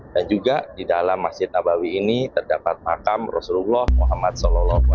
dan juga di dalam masjid nabawi ini terdapat makam rasulullah muhammad saw